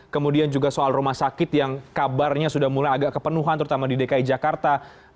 kemudian juga soal rumah sakit yang kabarnya sudah mulai agak kepenuhan terutama di dki jakarta